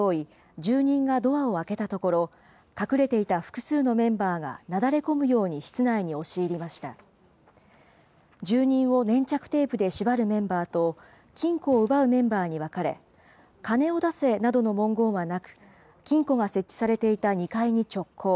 住人を粘着テープで縛るメンバーと、金庫を奪うメンバーに分かれ、金を出せなどの文言はなく、金庫が設置されていた２階に直行。